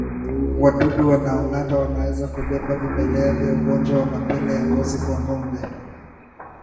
Wadudu wanaongata wanaweza kubeba vimelea vya ugonjwa wa mapele ya ngozi kwa ngombe